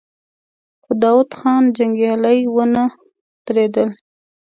خو د داوود خان جنګيالي ونه درېدل.